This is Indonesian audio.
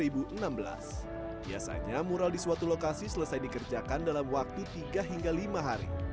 biasanya mural di suatu lokasi selesai dikerjakan dalam waktu tiga hingga lima hari